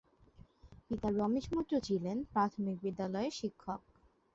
পিতা রমেশ মৈত্র ছিলেন প্রাথমিক বিদ্যালয়ের শিক্ষক।